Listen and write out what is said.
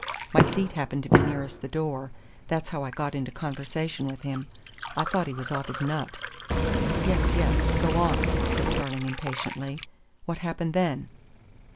My seat happened to be nearest the door, that's how I got into conversation with him. I thought he was off his nut." "Yes, yes, go on," said Tarling impatiently. "What happened then?"